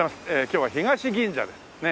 今日は東銀座です。